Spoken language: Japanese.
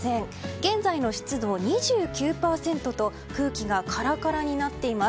現在の湿度、２９％と空気がカラカラになっています。